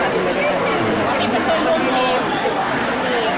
บินแผงบู